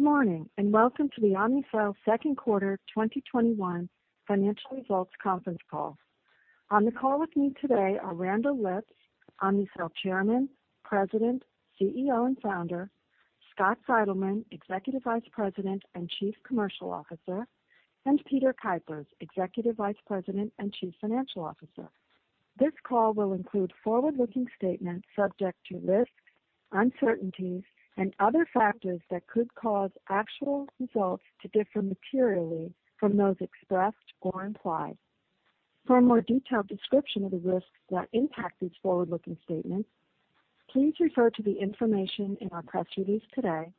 Good morning, welcome to the Omnicell Second Quarter 2021 Financial Results Conference Call. On the call with me today are Randall Lipps, Omnicell Chairman, President, CEO, and Founder; Scott Seidelmann, Executive Vice President and Chief Commercial Officer; and Peter Kuipers, Executive Vice President and Chief Financial Officer. This call will include forward-looking statements subject to risks, uncertainties, and other factors that could cause actual results to differ materially from those expressed or implied. For a more detailed description of the risks that impact these forward-looking statements, please refer to the information in our press release today,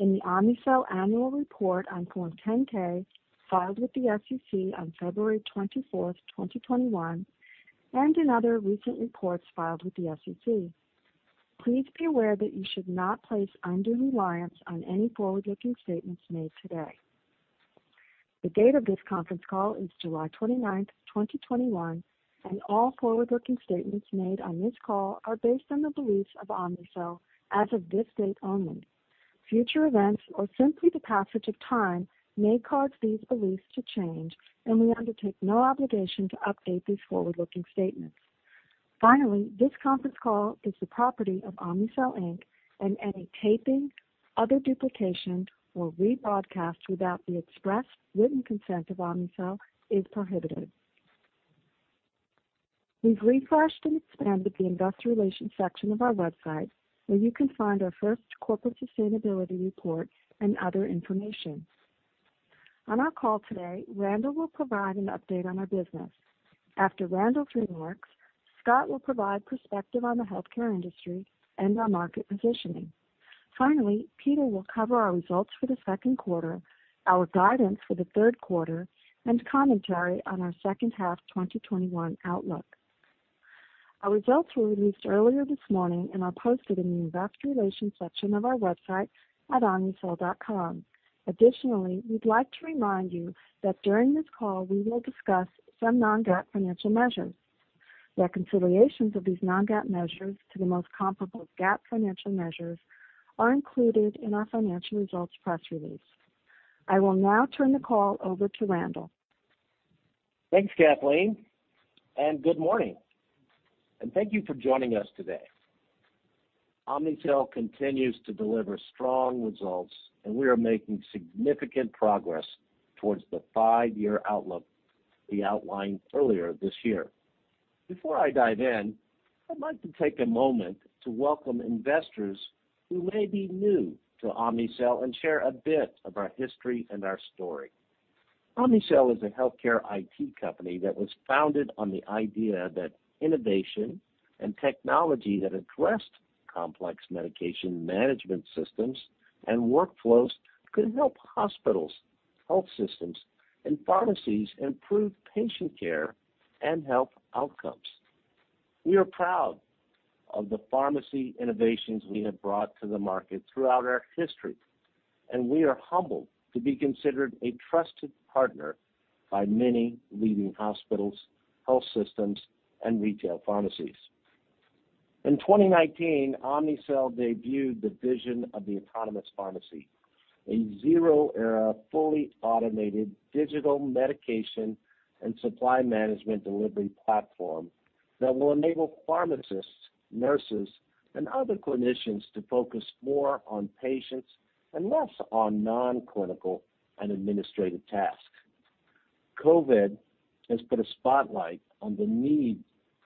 in the Omnicell annual report on Form 10-K filed with the SEC on February 24th, 2021, and in other recent reports filed with the SEC. Please be aware that you should not place undue reliance on any forward-looking statements made today. The date of this conference call is July 29th, 2021, and all forward-looking statements made on this call are based on the beliefs of Omnicell as of this date only. Future events or simply the passage of time may cause these beliefs to change, and we undertake no obligation to update these forward-looking statements. Finally, this conference call is the property of Omnicell, Inc., and any taping, other duplication, or rebroadcast without the express written consent of Omnicell is prohibited. We've refreshed and expanded the investor relations section of our website, where you can find our first corporate sustainability report and other information. On our call today, Randall will provide an update on our business. After Randall's remarks, Scott will provide perspective on the healthcare industry and our market positioning. Finally, Peter will cover our results for the second quarter, our guidance for the third quarter, and commentary on our second half 2021 outlook. Our results were released earlier this morning and are posted in the investor relations section of our website at omnicell.com. Additionally, we'd like to remind you that during this call, we will discuss some non-GAAP financial measures. Reconciliations of these non-GAAP measures to the most comparable GAAP financial measures are included in our financial results press release. I will now turn the call over to Randall. Thanks, Kathleen. Good morning. Thank you for joining us today. Omnicell continues to deliver strong results, and we are making significant progress towards the five-year outlook we outlined earlier this year. Before I dive in, I'd like to take a moment to welcome investors who may be new to Omnicell and share a bit of our history and our story. Omnicell is a healthcare IT company that was founded on the idea that innovation and technology that addressed complex medication management systems and workflows could help hospitals, health systems, and pharmacies improve patient care and health outcomes. We are proud of the pharmacy innovations we have brought to the market throughout our history, and we are humbled to be considered a trusted partner by many leading hospitals, health systems, and retail pharmacies. In 2019, Omnicell debuted the vision of the Autonomous Pharmacy, a zero-error fully automated digital medication and supply management delivery platform that will enable pharmacists, nurses, and other clinicians to focus more on patients and less on non-clinical and administrative tasks. COVID has put a spotlight on the need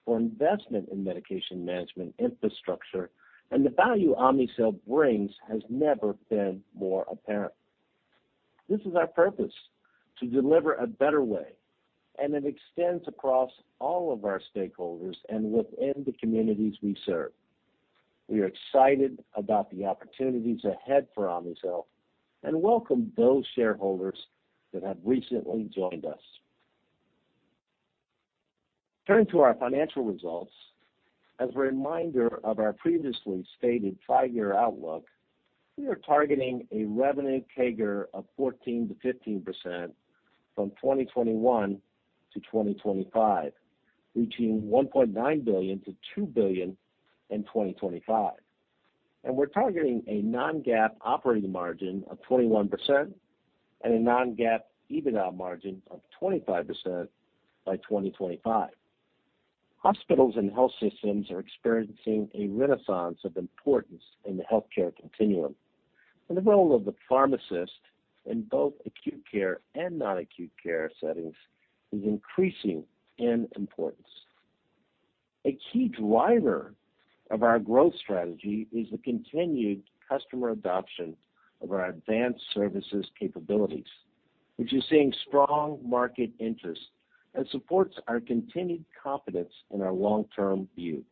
for investment in medication management infrastructure, and the value Omnicell brings has never been more apparent. This is our purpose, to deliver a better way, and it extends across all of our stakeholders and within the communities we serve. We are excited about the opportunities ahead for Omnicell and welcome those shareholders that have recently joined us. Turning to our financial results, as a reminder of our previously stated five-year outlook, we are targeting a revenue CAGR of 14%-15% from 2021 to 2025, reaching $1.9 billion-$2 billion in 2025. We're targeting a non-GAAP operating margin of 21% and a non-GAAP EBITDA margin of 25% by 2025. Hospitals and health systems are experiencing a renaissance of importance in the healthcare continuum, and the role of the pharmacist in both acute care and non-acute care settings is increasing in importance. A key driver of our growth strategy is the continued customer adoption of our advanced services capabilities, which is seeing strong market interest and supports our continued confidence in our long-term view.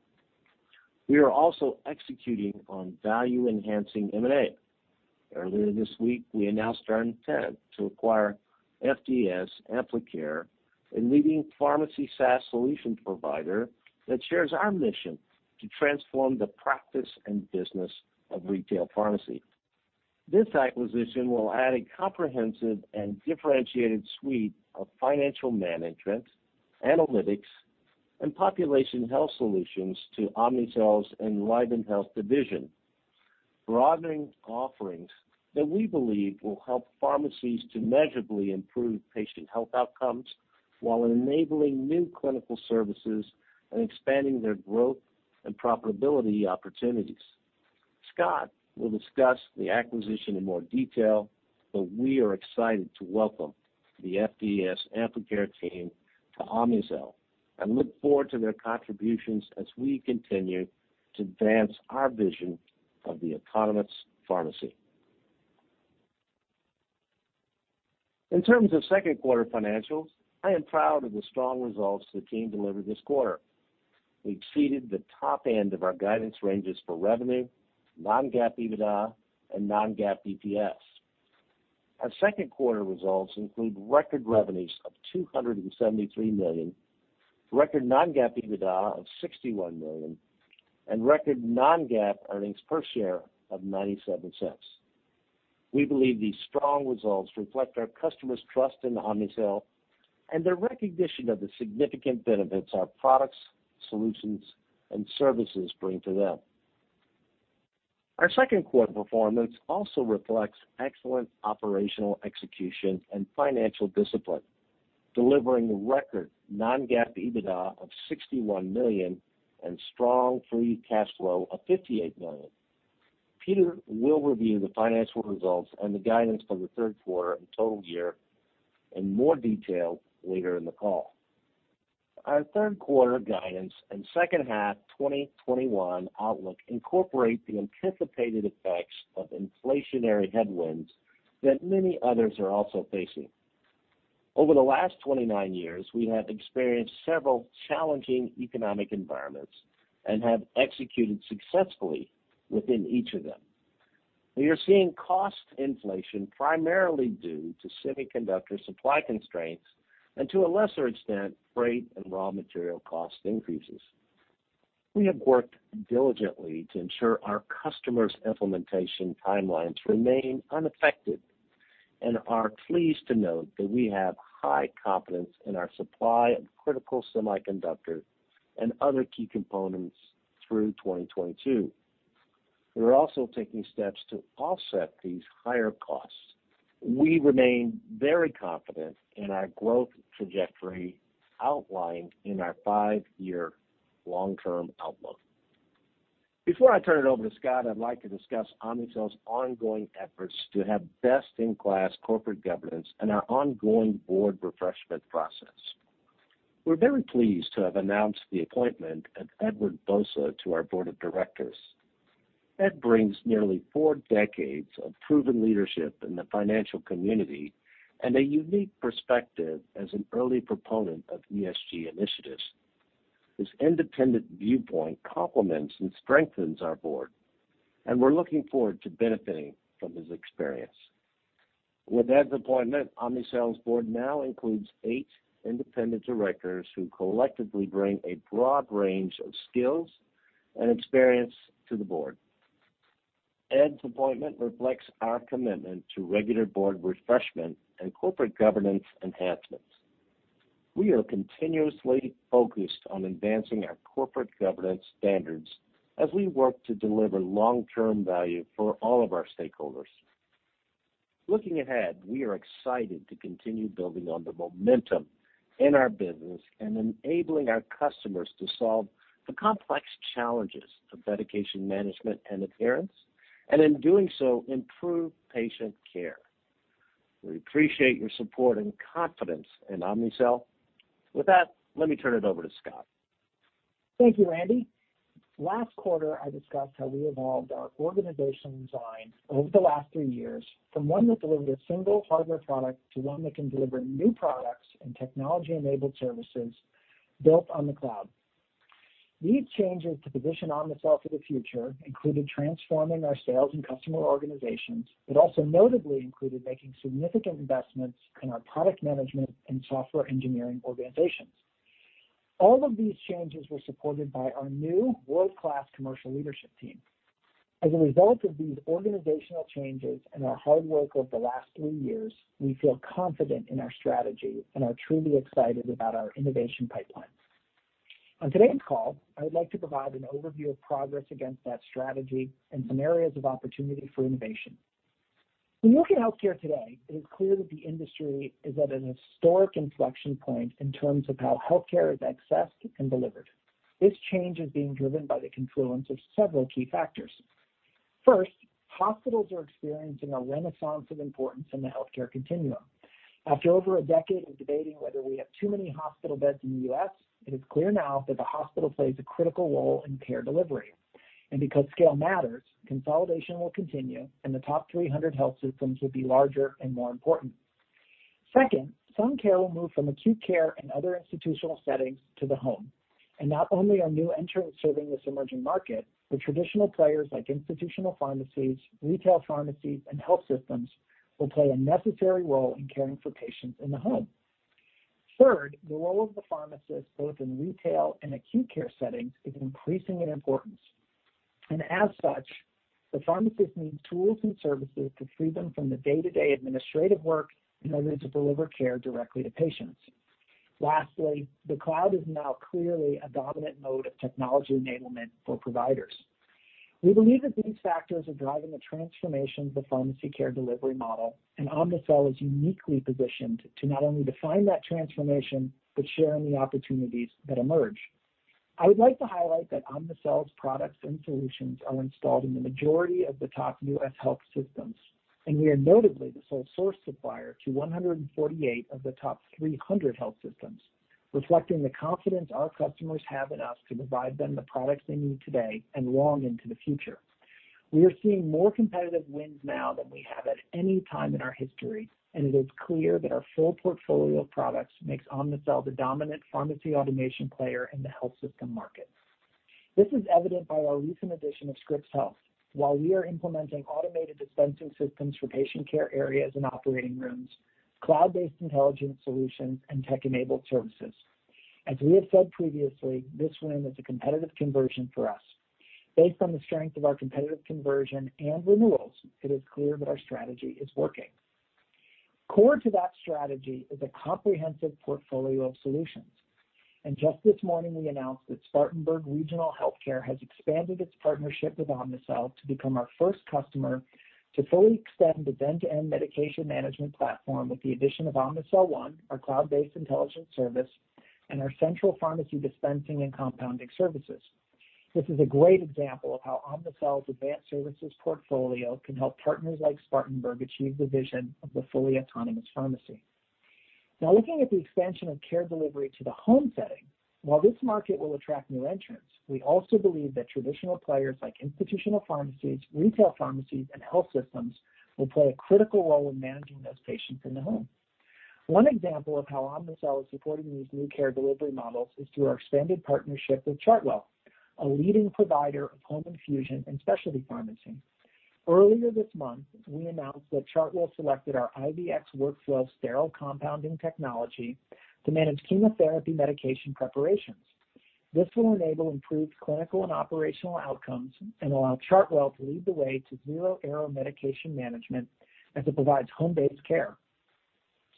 We are also executing on value-enhancing M&A. Earlier this week, we announced our intent to acquire FDS Amplicare, a leading pharmacy SaaS solution provider that shares our mission to transform the practice and business of retail pharmacy. This acquisition will add a comprehensive and differentiated suite of financial management, analytics and population health solutions to Omnicell's EnlivenHealth division, broadening offerings that we believe will help pharmacies to measurably improve patient health outcomes while enabling new clinical services and expanding their growth and profitability opportunities. Scott will discuss the acquisition in more detail. We are excited to welcome the FDS Amplicare team to Omnicell and look forward to their contributions as we continue to advance our vision of the Autonomous Pharmacy. In terms of second quarter financials, I am proud of the strong results the team delivered this quarter. We exceeded the top end of our guidance ranges for revenue, non-GAAP EBITDA, and non-GAAP EPS. Our second quarter results include record revenues of $273 million, record non-GAAP EBITDA of $61 million, and record non-GAAP earnings per share of $0.97. We believe these strong results reflect our customers' trust in Omnicell and their recognition of the significant benefits our products, solutions, and services bring to them. Our second quarter performance also reflects excellent operational execution and financial discipline, delivering record non-GAAP EBITDA of $61 million and strong free cash flow of $58 million. Peter will review the financial results and the guidance for the third quarter and total year in more detail later in the call. Our third quarter guidance and second half 2021 outlook incorporate the anticipated effects of inflationary headwinds that many others are also facing. Over the last 29 years, we have experienced several challenging economic environments and have executed successfully within each of them. We are seeing cost inflation primarily due to semiconductor supply constraints and, to a lesser extent, freight and raw material cost increases. We have worked diligently to ensure our customers' implementation timelines remain unaffected and are pleased to note that we have high confidence in our supply of critical semiconductors and other key components through 2022. We are also taking steps to offset these higher costs. We remain very confident in our growth trajectory outlined in our five-year long-term outlook. Before I turn it over to Scott, I'd like to discuss Omnicell's ongoing efforts to have best-in-class corporate governance and our ongoing board refreshment process. We're very pleased to have announced the appointment of Edward Bousa to our board of directors. Ed brings nearly four decades of proven leadership in the financial community and a unique perspective as an early proponent of ESG initiatives. His independent viewpoint complements and strengthens our board, and we're looking forward to benefiting from his experience. With Ed's appointment, Omnicell's board now includes eight independent directors who collectively bring a broad range of skills and experience to the board. Ed's appointment reflects our commitment to regular board refreshment and corporate governance enhancements. We are continuously focused on advancing our corporate governance standards as we work to deliver long-term value for all of our stakeholders. Looking ahead, we are excited to continue building on the momentum in our business and enabling our customers to solve the complex challenges of medication management and adherence, and in doing so, improve patient care. We appreciate your support and confidence in Omnicell. With that, let me turn it over to Scott. Thank you, Randall. Last quarter, I discussed how we evolved our organizational design over the last three years from one that delivered a single hardware product to one that can deliver new products and technology-enabled services built on the cloud. These changes to position Omnicell for the future included transforming our sales and customer organizations, but also notably included making significant investments in our product management and software engineering organizations. All of these changes were supported by our new world-class commercial leadership team. As a result of these organizational changes and our hard work over the last three years, we feel confident in our strategy and are truly excited about our innovation pipeline. On today's call, I would like to provide an overview of progress against that strategy and some areas of opportunity for innovation. When you look at healthcare today, it is clear that the industry is at an historic inflection point in terms of how healthcare is accessed and delivered. This change is being driven by the confluence of several key factors. First, hospitals are experiencing a renaissance of importance in the healthcare continuum. After over a decade of debating whether we have too many hospital beds in the U.S., it is clear now that the hospital plays a critical role in care delivery. Because scale matters, consolidation will continue, and the top 300 health systems will be larger and more important. Second, some care will move from acute care and other institutional settings to the home. Not only are new entrants serving this emerging market, but traditional players like institutional pharmacies, retail pharmacies, and health systems will play a necessary role in caring for patients in the home. Third, the role of the pharmacist, both in retail and acute care settings, is increasing in importance. As such, the pharmacists need tools and services to free them from the day-to-day administrative work in order to deliver care directly to patients. Lastly, the cloud is now clearly a dominant mode of technology enablement for providers. We believe that these factors are driving the transformation of the pharmacy care delivery model. Omnicell is uniquely positioned to not only define that transformation, but share in the opportunities that emerge. I would like to highlight that Omnicell's products and solutions are installed in the majority of the top U.S. health systems. We are notably the sole source supplier to 148 of the top 300 health systems, reflecting the confidence our customers have in us to provide them the products they need today and long into the future. We are seeing more competitive wins now than we have at any time in our history, and it is clear that our full portfolio of products makes Omnicell the dominant pharmacy automation player in the health system market. This is evident by our recent addition of Scripps Health. While we are implementing automated dispensing systems for patient care areas and operating rooms, cloud-based intelligence solutions, and tech-enabled services. As we have said previously, this win is a competitive conversion for us. Based on the strength of our competitive conversion and renewals, it is clear that our strategy is working. Core to that strategy is a comprehensive portfolio of solutions. Just this morning, we announced that Spartanburg Regional Healthcare has expanded its partnership with Omnicell to become our first customer to fully extend the end-to-end medication management platform with the addition of Omnicell One, our cloud-based intelligence service, and our central pharmacy dispensing and compounding services. This is a great example of how Omnicell's advanced services portfolio can help partners like Spartanburg achieve the vision of the fully Autonomous Pharmacy. Looking at the expansion of care delivery to the home setting, while this market will attract new entrants, we also believe that traditional players like institutional pharmacies, retail pharmacies, and health systems will play a critical role in managing those patients in the home. One example of how Omnicell is supporting these new care delivery models is through our expanded partnership with Chartwell, a leading provider of home infusion and specialty pharmacy. Earlier this month, we announced that Chartwell selected our IVX Workflow sterile compounding technology to manage chemotherapy medication preparations. This will enable improved clinical and operational outcomes and allow Chartwell to lead the way to zero-error medication management as it provides home-based care.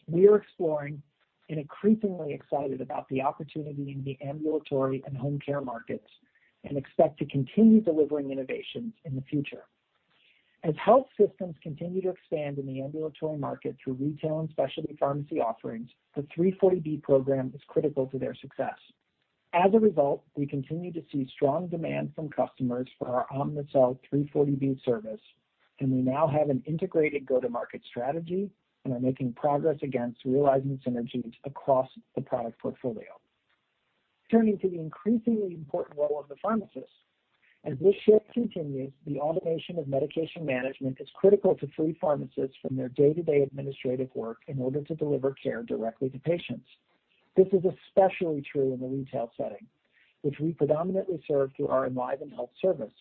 We are exploring and increasingly excited about the opportunity in the ambulatory and home care markets and expect to continue delivering innovations in the future. As health systems continue to expand in the ambulatory market through retail and specialty pharmacy offerings, the 340B program is critical to their success. As a result, we continue to see strong demand from customers for our Omnicell 340B service, and we now have an integrated go-to-market strategy and are making progress against realizing synergies across the product portfolio. Turning to the increasingly important role of the pharmacist. As this shift continues, the automation of medication management is critical to free pharmacists from their day-to-day administrative work in order to deliver care directly to patients. This is especially true in the retail setting, which we predominantly serve through our EnlivenHealth service.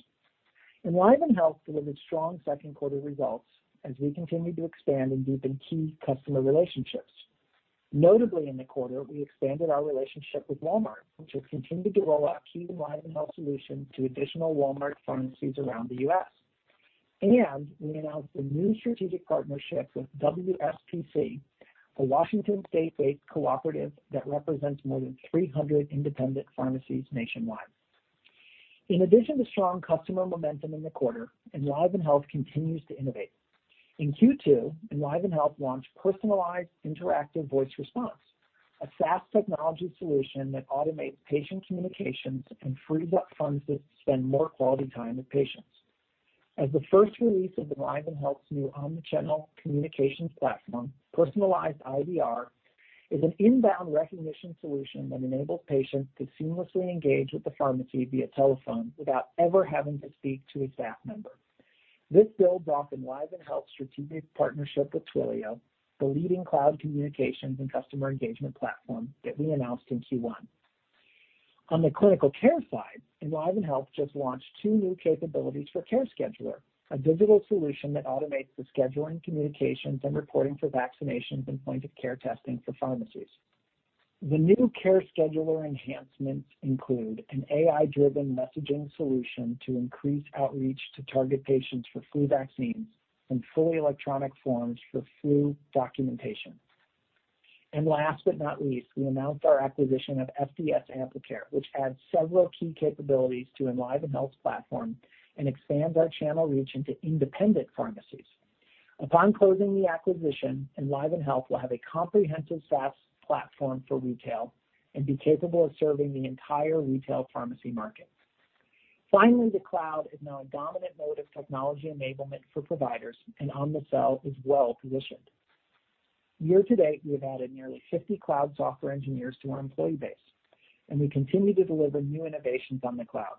EnlivenHealth delivered strong second quarter results as we continued to expand and deepen key customer relationships. Notably in the quarter, we expanded our relationship with Walmart, which has continued to roll out key EnlivenHealth solutions to additional Walmart pharmacies around the U.S.. We announced a new strategic partnership with WSPC, a Washington state-based cooperative that represents more than 300 independent pharmacies nationwide. In addition to strong customer momentum in the quarter, EnlivenHealth continues to innovate. In Q2, EnlivenHealth launched Personalized Interactive Voice Response, a SaaS technology solution that automates patient communications and frees up pharmacists to spend more quality time with patients. As the first release of EnlivenHealth's new omnichannel communications platform, Personalized IVR is an inbound recognition solution that enables patients to seamlessly engage with the pharmacy via telephone without ever having to speak to a staff member. This builds off EnlivenHealth's strategic partnership with Twilio, the leading cloud communications and customer engagement platform that we announced in Q1. On the clinical care side, EnlivenHealth just launched two new capabilities for CareScheduler, a digital solution that automates the scheduling, communications, and reporting for vaccinations and point-of-care testing for pharmacies. The new CareScheduler enhancements include an AI-driven messaging solution to increase outreach to target patients for flu vaccines and fully electronic forms for flu documentation. Last but not least, we announced our acquisition of FDS Amplicare, which adds several key capabilities to EnlivenHealth's platform and expands our channel reach into independent pharmacies. Upon closing the acquisition, EnlivenHealth will have a comprehensive SaaS platform for retail and be capable of serving the entire retail pharmacy market. Finally, the cloud is now a dominant mode of technology enablement for providers, and Omnicell is well-positioned. Year to date, we have added nearly 50 cloud software engineers to our employee base, and we continue to deliver new innovations on the cloud.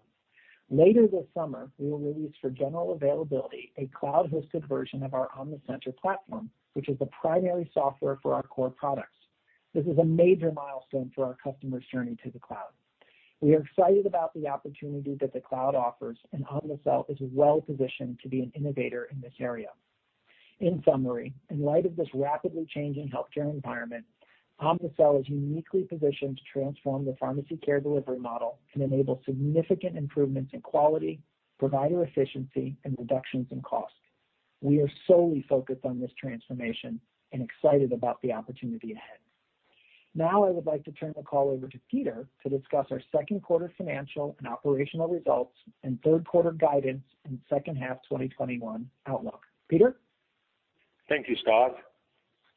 Later this summer, we will release for general availability a cloud-hosted version of our OmniCenter platform, which is the primary software for our core products. This is a major milestone for our customer's journey to the cloud. We are excited about the opportunity that the cloud offers, and Omnicell is well-positioned to be an innovator in this area. In summary, in light of this rapidly changing healthcare environment, Omnicell is uniquely positioned to transform the pharmacy care delivery model and enable significant improvements in quality, provider efficiency, and reductions in cost. We are solely focused on this transformation and excited about the opportunity ahead. Now, I would like to turn the call over to Peter to discuss our second quarter financial and operational results, and third quarter guidance and second half 2021 outlook. Peter? Thank you, Scott.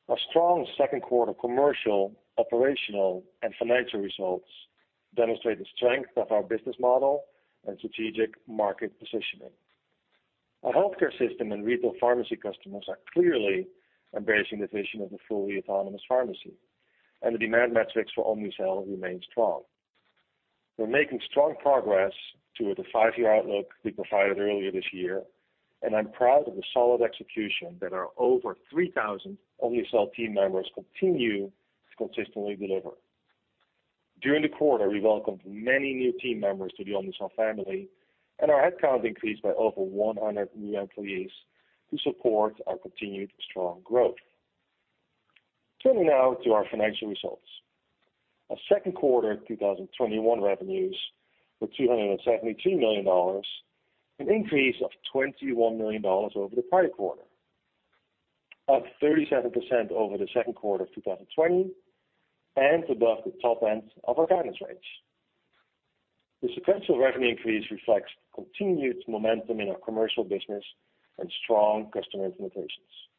Our strong second quarter commercial, operational, and financial results demonstrate the strength of our business model and strategic market positioning. Our healthcare system and retail pharmacy customers are clearly embracing the vision of the fully Autonomous Pharmacy, and the demand metrics for Omnicell remain strong. We're making strong progress toward the five-year outlook we provided earlier this year, and I'm proud of the solid execution that our over 3,000 Omnicell team members continue to consistently deliver. During the quarter, we welcomed many new team members to the Omnicell family, and our headcount increased by over 100 new employees to support our continued strong growth. Turning now to our financial results. Our second quarter 2021 revenues were $272 million, an increase of $21 million over the prior quarter, up 37% over the second quarter of 2020, and above the top end of our guidance range. The sequential revenue increase reflects continued momentum in our commercial business and strong customer implementations.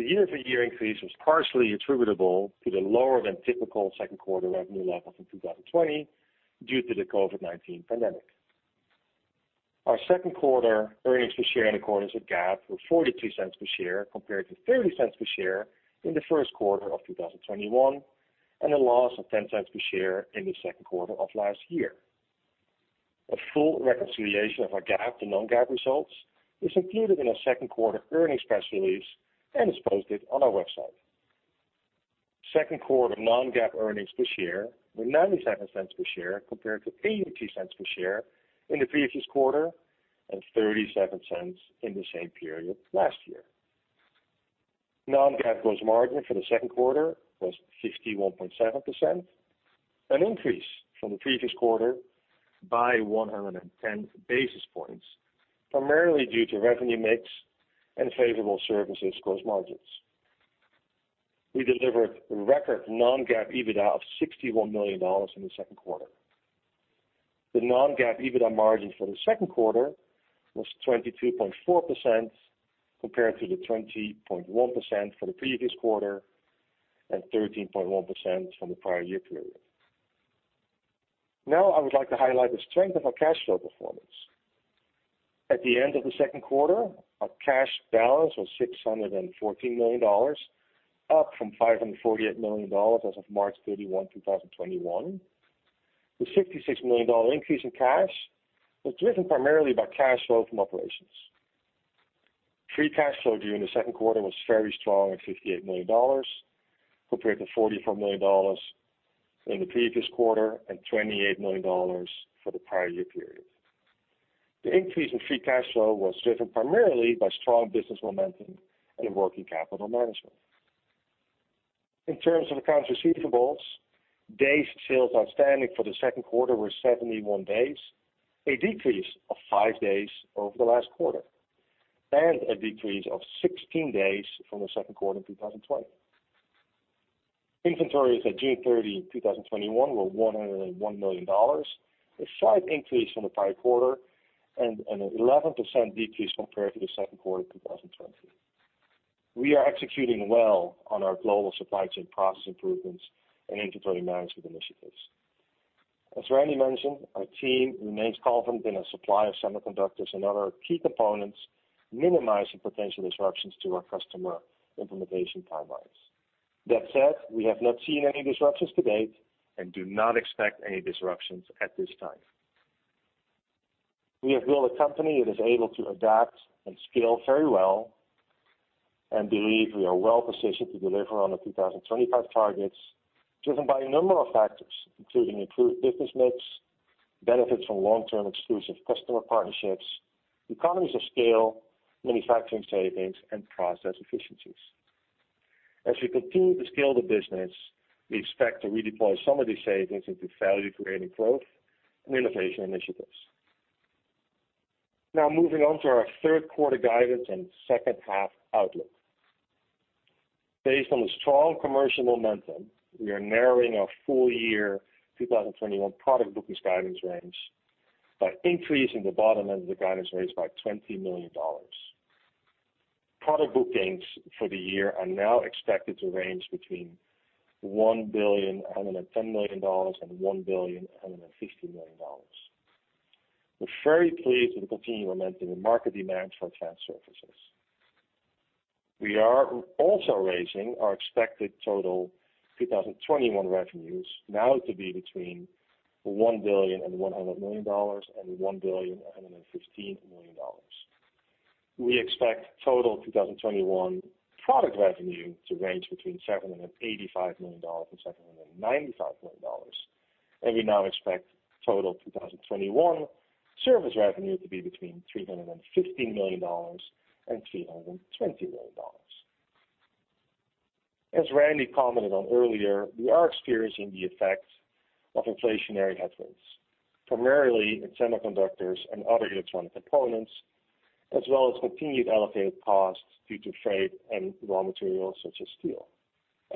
The year-over-year increase was partially attributable to the lower than typical second quarter revenue level from 2020 due to the COVID-19 pandemic. Our second quarter earnings per share in accordance with GAAP were $0.42 per share compared to $0.30 per share in the first quarter of 2021, and a loss of $0.10 per share in the second quarter of last year. A full reconciliation of our GAAP to non-GAAP results is included in our second quarter earnings press release and is posted on our website. Second quarter non-GAAP earnings per share were $0.97 per share compared to $0.82 per share in the previous quarter and $0.37 in the same period last year. Non-GAAP gross margin for the second quarter was 51.7%, an increase from the previous quarter by 110 basis points, primarily due to revenue mix and favorable services gross margins. We delivered record non-GAAP EBITDA of $61 million in the second quarter. The non-GAAP EBITDA margin for the second quarter was 22.4% compared to 20.1% for the previous quarter and 13.1% from the prior year period. Now, I would like to highlight the strength of our cash flow performance. At the end of the second quarter, our cash balance was $614 million, up from $548 million as of March 31, 2021. The $66 million increase in cash was driven primarily by cash flow from operations. Free cash flow during the second quarter was very strong at $58 million compared to $44 million in the previous quarter, and $28 million for the prior year period. The increase in free cash flow was driven primarily by strong business momentum and working capital management. In terms of accounts receivables, days sales outstanding for the second quarter were 71 days, a decrease of five days over last quarter, and a decrease of 16 days from the second quarter of 2020. Inventories at June 30, 2021, were $101 million, a slight increase from the prior quarter and an 11% decrease compared to the second quarter of 2020. We are executing well on our global supply chain process improvements and inventory management initiatives. As Randall mentioned, our team remains confident in our supply of semiconductors and other key components, minimizing potential disruptions to our customer implementation timelines. That said, we have not seen any disruptions to date and do not expect any disruptions at this time. We have built a company that is able to adapt and scale very well and believe we are well positioned to deliver on the 2025 targets, driven by a number of factors, including improved business mix, benefits from long-term exclusive customer partnerships, economies of scale, manufacturing savings, and process efficiencies. As we continue to scale the business, we expect to redeploy some of these savings into value-creating growth and innovation initiatives. Now moving on to our third quarter guidance and second half outlook. Based on the strong commercial momentum, we are narrowing our full year 2021 product bookings guidance range by increasing the bottom end of the guidance range by $20 million. Product bookings for the year are now expected to range between $1.110 billion and $1.150 billion. We're very pleased with the continued momentum in market demand for trans services. We are also raising our expected total 2021 revenues, now to be between $1.1 billion and $1.115 billion. We expect total 2021 product revenue to range between $785 million and $795 million. We now expect total 2021 service revenue to be between $315 million and $320 million. As Randall commented on earlier, we are experiencing the effects of inflationary headwinds, primarily in semiconductors and other electronic components, as well as continued elevated costs due to freight and raw materials such as steel.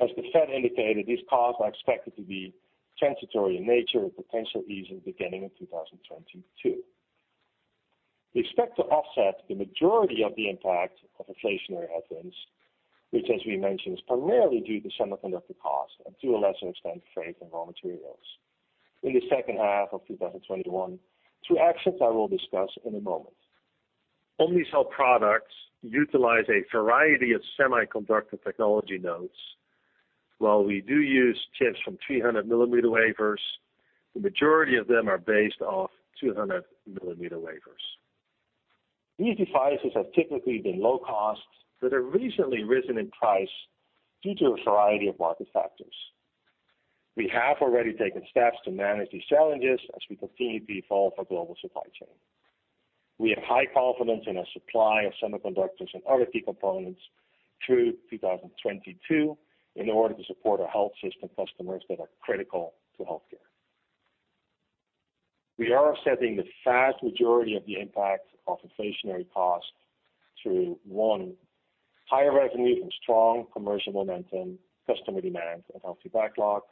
As the Fed indicated, these costs are expected to be transitory in nature, with potential easing beginning in 2022. We expect to offset the majority of the impact of inflationary headwinds, which as we mentioned, is primarily due to semiconductor costs and to a lesser extent, freight and raw materials in the second half of 2021, through actions I will discuss in a moment. Omnicell products utilize a variety of semiconductor technology nodes. While we do use chips from 300-mm wafers, the majority of them are based off 200-mm wafers. These devices have typically been low cost, but have recently risen in price due to a variety of market factors. We have already taken steps to manage these challenges as we continue to evolve our global supply chain. We have high confidence in our supply of semiconductors and other key components through 2022 in order to support our health system customers that are critical to healthcare. We are offsetting the vast majority of the impact of inflationary costs through, one, higher revenue and strong commercial momentum, customer demand, and healthy backlog.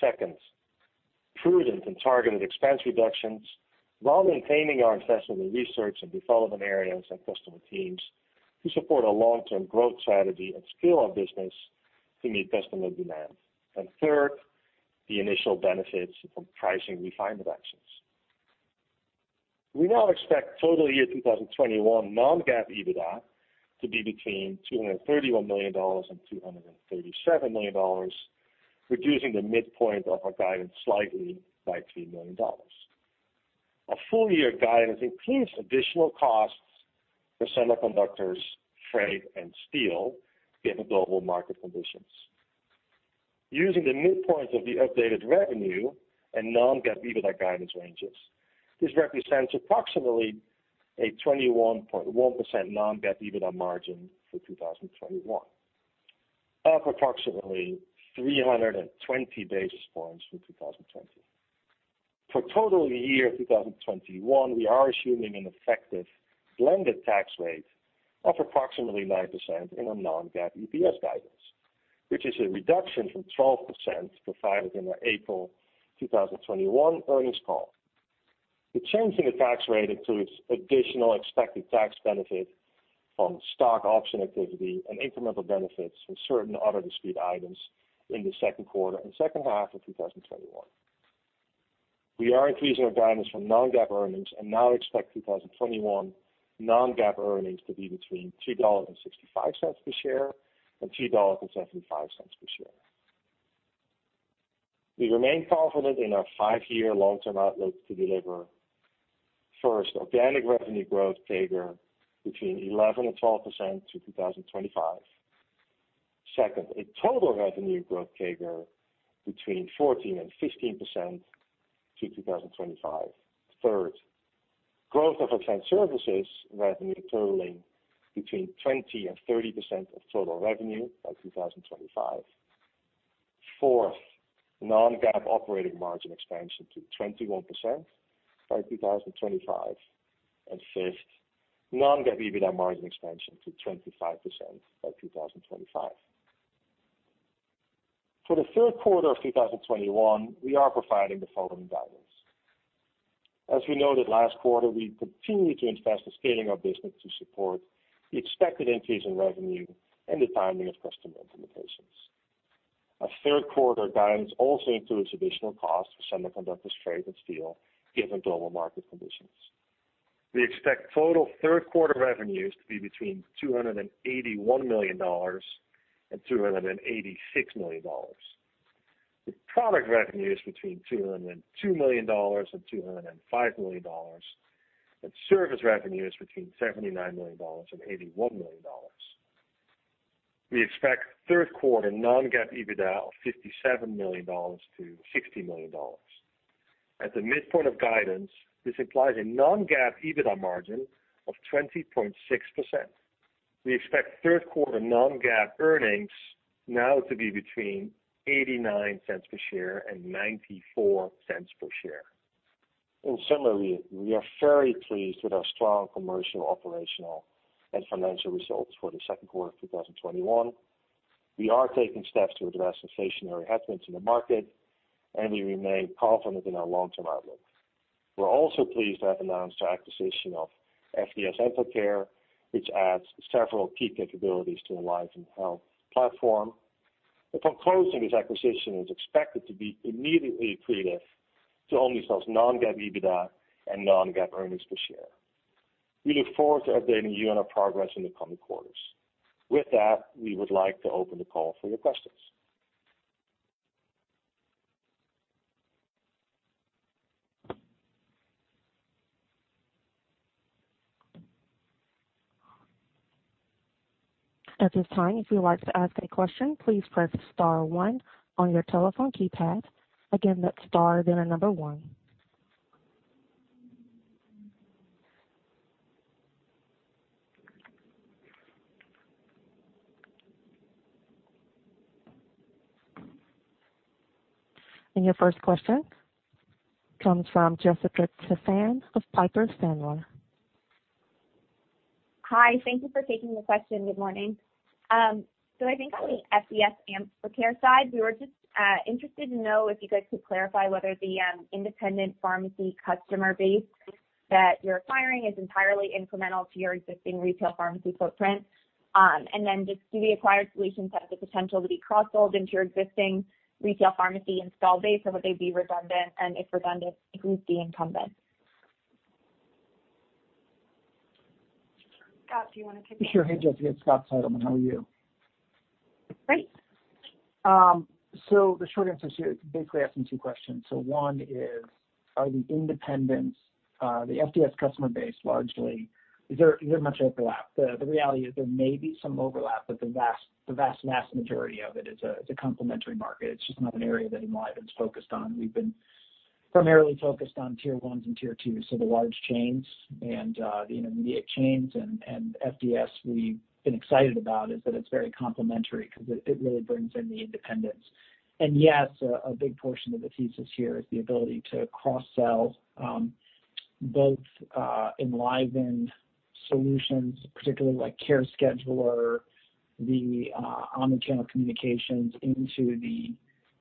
Second, prudent and targeted expense reductions, while maintaining our investment in research and development areas and customer teams to support our long-term growth strategy and scale our business to meet customer demand. Third, the initial benefits from pricing refinement actions. We now expect total year 2021 non-GAAP EBITDA to be between $231 million and $237 million, reducing the midpoint of our guidance slightly by $3 million. Our full-year guidance includes additional costs for semiconductors, freight, and steel, given global market conditions. Using the midpoint of the updated revenue and non-GAAP EBITDA guidance ranges, this represents approximately a 21.1% non-GAAP EBITDA margin for 2021, up approximately 320 basis points from 2020. For total year 2021, we are assuming an effective blended tax rate of approximately 9% in our non-GAAP EPS guidance, which is a reduction from 12% provided in our April 2021 earnings call. The change in the tax rate includes additional expected tax benefit from stock option activity and incremental benefits from certain other discrete items in the second quarter and second half of 2021. We are increasing our guidance for non-GAAP earnings and now expect 2021 non-GAAP earnings to be between $3.65 per share and $3.75 per share. We remain confident in our five-year long-term outlook to deliver, first, organic revenue growth CAGR between 11% and 12% to 2025. Second, a total revenue growth CAGR between 14% and 15% to 2025. Third, growth of our cloud services revenue totaling between 20% and 30% of total revenue by 2025. Fourth, non-GAAP operating margin expansion to 21% by 2025. Fifth, non-GAAP EBITDA margin expansion to 25% by 2025. For the third quarter of 2021, we are providing the following guidance. As we noted last quarter, we continue to invest in scaling our business to support the expected increase in revenue and the timing of customer implementations. Our third quarter guidance also includes additional costs for semiconductors, freight, and steel, given global market conditions. We expect total third-quarter revenues to be between $281 million and $286 million, with product revenues between $202 million and $205 million, and service revenues between $79 million and $81 million. We expect third-quarter non-GAAP EBITDA of $57 million-$60 million. At the midpoint of guidance, this implies a non-GAAP EBITDA margin of 20.6%. We expect third-quarter non-GAAP earnings now to be between $0.89 per share and $0.94 per share. In summary, we are very pleased with our strong commercial, operational, and financial results for the second quarter of 2021. We are taking steps to address inflationary headwinds in the market, and we remain confident in our long-term outlook. We are also pleased to have announced our acquisition of FDS Amplicare, which adds several key capabilities to the EnlivenHealth platform. Upon closing, this acquisition is expected to be immediately accretive to Omnicell's non-GAAP EBITDA and non-GAAP earnings per share. We look forward to updating you on our progress in the coming quarters. With that, we would like to open the call for your questions. At this time, if you would like to ask a question, please press star one on your telephone keypad. Again, that's star, then the number one. Your first question comes from Jessica Tassan of Piper Sandler. Hi. Thank you for taking the question. Good morning. I think on the FDS Amplicare side, we were just interested to know if you guys could clarify whether the independent pharmacy customer base that you're acquiring is entirely incremental to your existing retail pharmacy footprint. Do the acquired solutions have the potential to be cross-sold into your existing retail pharmacy installed base, or would they be redundant? If redundant, who's the incumbent? Scott, do you want to take this? Sure. Hey, Jessica. It's Scott Seidelmann. How are you? Great. The short answer is, you're basically asking two questions. One is, are the independents, the FDS customer base largely, is there much overlap? The reality is there may be some overlap, but the vast majority of it is a complementary market. It's just not an area that Enliven's focused on. We've been primarily focused on tier ones and tier twos, so the large chains and the intermediate chains. FDS, we've been excited about is that it's very complementary because it really brings in the independents. Yes, a big portion of the thesis here is the ability to cross-sell both Enliven solutions, particularly like CareScheduler, the omnichannel communications into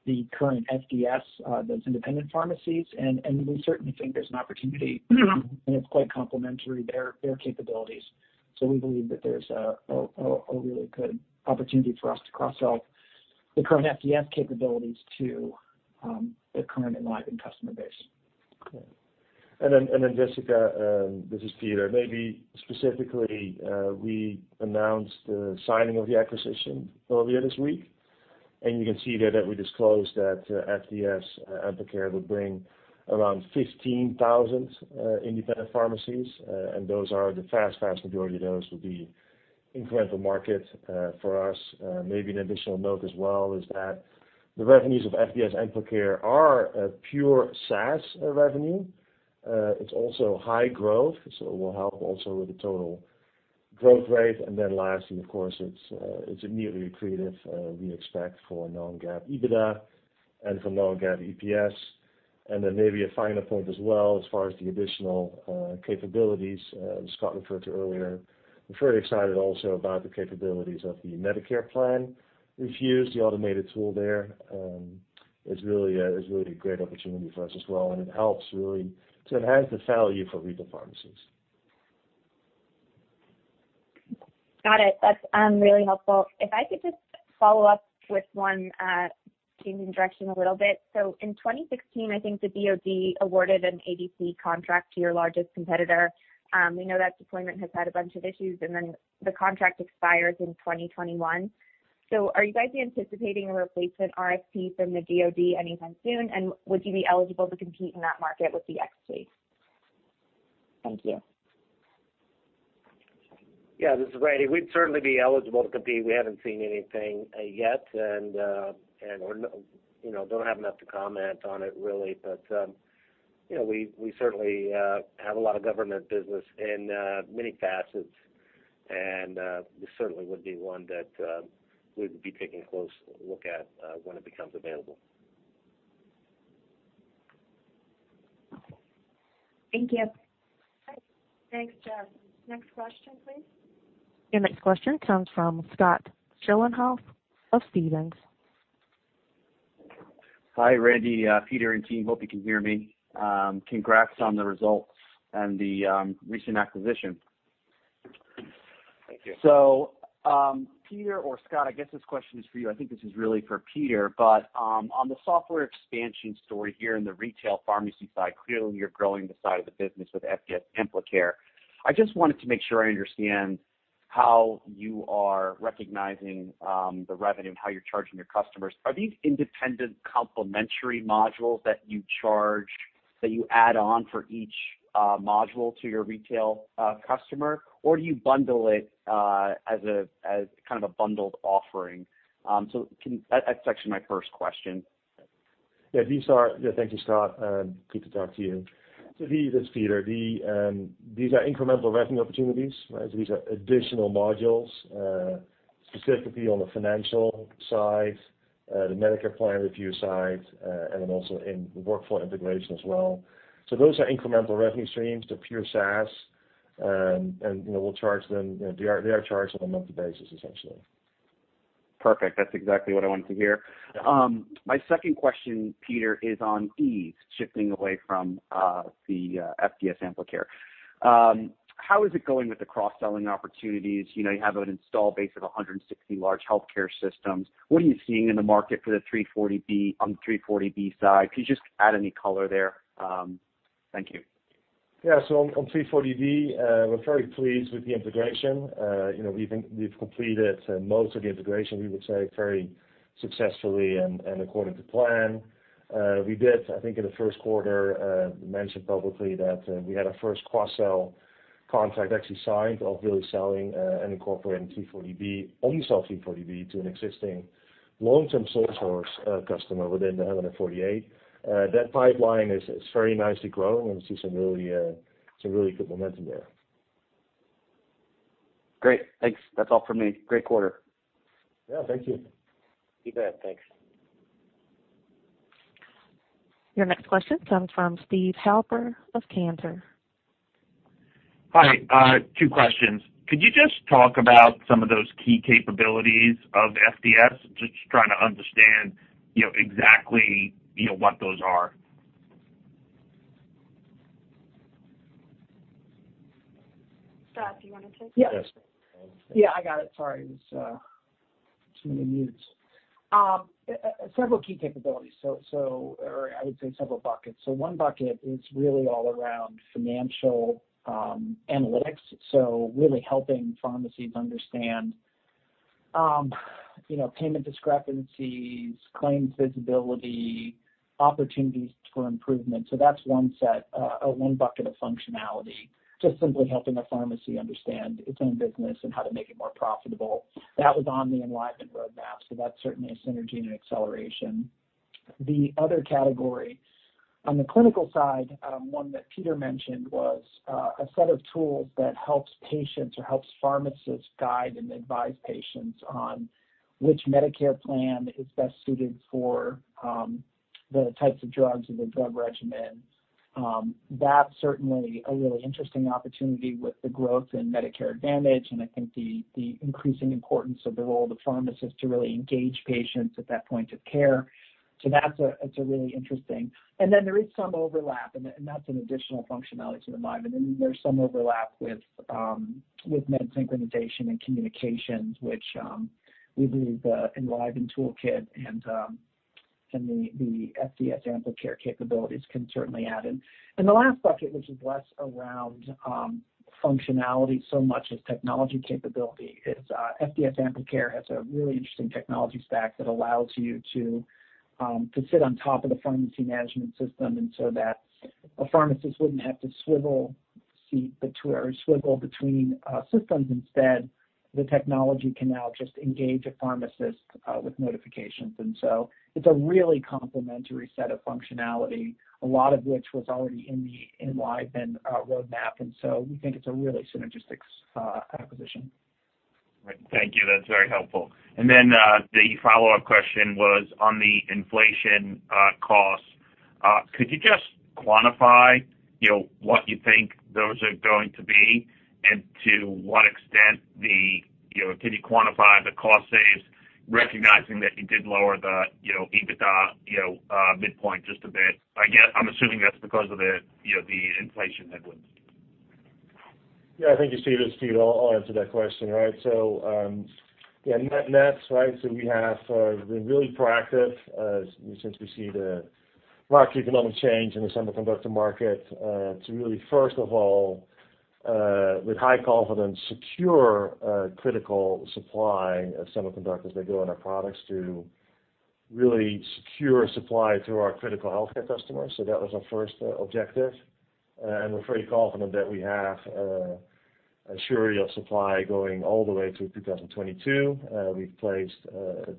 the current FDS, those independent pharmacies. We certainly think there's an opportunity and it's quite complementary, their capabilities. We believe that there's a really good opportunity for us to cross-sell the current FDS capabilities to the current EnlivenHealth customer base. Jessica, this is Peter. Maybe specifically, we announced the signing of the acquisition earlier this week, and you can see there that we disclosed that FDS Amplicare would bring around 15,000 independent pharmacies, and the vast majority of those will be incremental market for us. Maybe an additional note as well is that the revenues of FDS Amplicare are a pure SaaS revenue. It's also high growth, so it will help also with the total growth rate. Lastly, of course, it's immediately accretive, we expect, for non-GAAP EBITDA and for non-GAAP EPS. Maybe a final point as well, as far as the additional capabilities Scott referred to earlier, we're very excited also about the capabilities of the Medicare plan, we've used the automated tool there. It's really a great opportunity for us as well, and it helps really to enhance the value for retail pharmacies. Got it. That's really helpful. If I could just follow up with one, changing direction a little bit. In 2016, I think the DoD awarded an ADC contract to your largest competitor. We know that deployment has had a bunch of issues, and then the contract expires in 2021. Are you guys anticipating a replacement RFP from the DoD anytime soon? Would you be eligible to compete in that market with the XT? Thank you. Yeah. This is Randall. We'd certainly be eligible to compete. We haven't seen anything yet, and don't have enough to comment on it, really. We certainly have a lot of government business in many facets, and this certainly would be one that we'd be taking a close look at when it becomes available. Thank you. Thanks, Jess. Next question, please. Your next question comes from Scott Schoenhaus of Stephens. Hi, Randall, Peter, and team. Hope you can hear me. Congrats on the results and the recent acquisition. Thank you. Peter or Scott, I guess this question is for you. I think this is really for Peter, on the software expansion story here in the retail pharmacy side, clearly you're growing the side of the business with FDS Amplicare. I just wanted to make sure I understand how you are recognizing the revenue and how you're charging your customers. Are these independent complementary modules that you charge, that you add on for each module to your retail customer, or do you bundle it as kind of a bundled offering? That's actually my first question. Thank you, Scott. Good to talk to you. This is Peter. These are incremental revenue opportunities. These are additional modules, specifically on the financial side, the Medicare plan review side, and then also in the workflow integration as well. Those are incremental revenue streams. They're pure SaaS, and they are charged on a monthly basis, essentially. Perfect. That's exactly what I wanted to hear. Yeah. My second question, Peter, is on Ease, shifting away from the FDS Amplicare. How is it going with the cross-selling opportunities? You have an install base of 160 large healthcare systems. What are you seeing in the market on the 340B side? Could you just add any color there? Thank you. On 340B, we're very pleased with the integration. We've completed most of the integration, we would say, very successfully and according to plan. We did, I think in the first quarter, mention publicly that we had our first cross-sell contract actually signed of really selling and incorporating 340B, Omnicell 340B to an existing long-term source customer within the 148. That pipeline is very nicely growing, and we see some really good momentum there. Great. Thanks. That's all for me. Great quarter. Yeah. Thank you. You bet. Thanks. Your next question comes from Steven Halper of Cantor. Hi. Two questions. Could you just talk about some of those key capabilities of FDS? Just trying to understand exactly what those are. Scott, do you want to take this? Yes. Yeah, I got it. Sorry. It was too many mutes. Several key capabilities, or I would say several buckets. One bucket is really all around financial analytics, really helping pharmacies understand payment discrepancies, claims visibility, opportunities for improvement. That's one set or one bucket of functionality, just simply helping a pharmacy understand its own business and how to make it more profitable. That was on the Enliven roadmap, so that's certainly a synergy and an acceleration. The other category, on the clinical side, one that Peter mentioned, was a set of tools that helps patients or helps pharmacists guide and advise patients on which Medicare plan is best suited for the types of drugs or the drug regimen. That's certainly a really interesting opportunity with the growth in Medicare Advantage, and I think the increasing importance of the role of the pharmacist to really engage patients at that point of care. That's a really interesting. There is some overlap, and that's an additional functionality to the Enliven, and there's some overlap with med synchronization and communications, which we believe the Enliven toolkit and the FDS Amplicare capabilities can certainly add in. The last bucket, which is less around functionality so much as technology capability, is FDS Amplicare has a really interesting technology stack that allows you to sit on top of the pharmacy management system, and so that a pharmacist wouldn't have to swivel between systems. Instead, the technology can now just engage a pharmacist with notifications. It's a really complementary set of functionality, a lot of which was already in the Enliven roadmap. We think it's a really synergistic acquisition. Right. Thank you. That's very helpful. The follow-up question was on the inflation costs. Could you just quantify what you think those are going to be, and to what extent could you quantify the cost saves, recognizing that you did lower the EBITDA midpoint just a bit? I'm assuming that's because of the inflation headwinds. Yeah. Thank you, Steven. It's Peter. I'll answer that question. Net-net, we have been really proactive since we see the macroeconomic change in the semiconductor market to really, first of all, with high confidence, secure critical supply of semiconductors that go in our products to really secure supply to our critical healthcare customers. That was our first objective. We're pretty confident that we have a surety of supply going all the way to 2022. We've placed